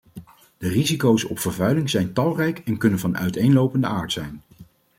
De risico's op vervuiling zijn talrijk en kunnen van uiteenlopende aard zijn.